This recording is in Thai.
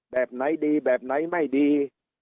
แบบไหนดีแบบไหนไม่ดี